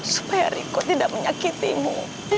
supaya riko tidak menyakitimu